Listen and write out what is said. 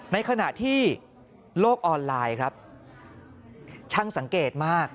ในขณะที่โลกออนไลน์ครับช่างสังเกตมาก